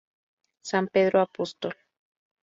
San Pedro Apóstol.